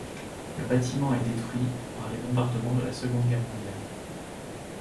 Le bâtiment est détruit par les bombardements de la Seconde Guerre mondiale.